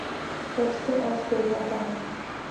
western Australia time